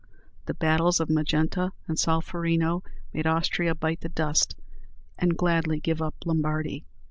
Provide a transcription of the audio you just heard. The battles of Magenta and Solferino made Austria bite the dust, and gladly give up Lombardy.